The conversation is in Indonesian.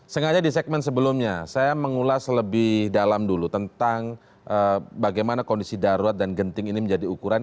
sengaja di segmen sebelumnya saya mengulas lebih dalam dulu tentang bagaimana kondisi darurat dan genting ini menjadi ukuran